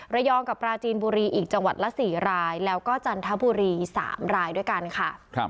ระยองกับปราจีนบุรีอีกจังหวัดละ๔รายแล้วก็จันทบุรี๓รายด้วยกันค่ะ